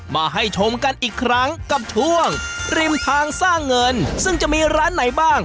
มาให้ชมกันอีกครั้งกับช่วงริมทางสร้างเงินซึ่งจะมีร้านไหนบ้าง